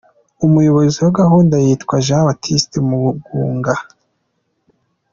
Umuyobozi wa gahunda yitwa Jean Baptiste Mugunga.